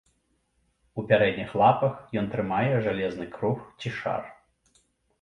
У пярэдніх лапах ён трымае жалезны круг ці шар.